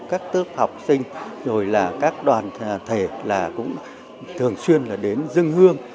các tước học sinh rồi là các đoàn thể là cũng thường xuyên là đến dưng hương